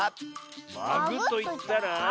「まぐ」といったら？